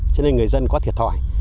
cho nên người dân quá thiệt thỏi